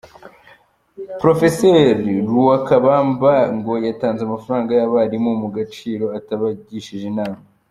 Prof Lwakabamba ngo yatanze amafaranga y’abarimu mu Gaciro atabagishije inama